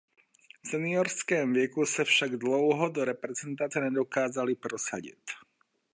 V seniorském věku se však dlouho do reprezentace nedokázali prosadit.